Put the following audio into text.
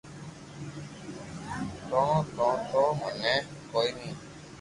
ڪون ڪو تو تو موني ڪوئي ني